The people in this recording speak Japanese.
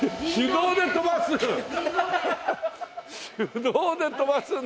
手動で飛ばすんだ。